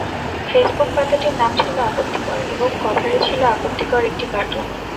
Facebook পাতাটির নাম ছিল আপত্তিকর এবং কভারে ছিল আপত্তিকর একটি কার্টুন।